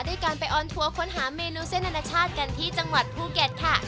ด้วยการไปออนทัวร์ค้นหาเมนูเส้นอนาชาติกันที่จังหวัดภูเก็ตค่ะ